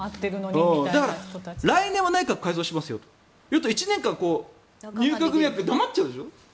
だから、来年は内閣改造しますよと言うと１年間、入閣のために黙っちゃうでしょ。